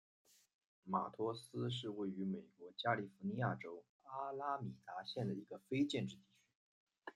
马托斯是位于美国加利福尼亚州阿拉米达县的一个非建制地区。